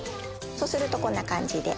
そうするとこんな感じで。